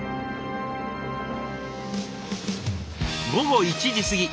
午後１時過ぎ。